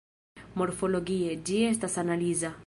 Morfologie, ĝi estas analiza.